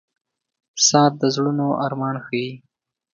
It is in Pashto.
• ساعت د زړونو ارمان ښيي.